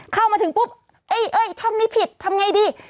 เข้ามาถึงปุ๊บช่องนี้ผิดทำอย่างไรดี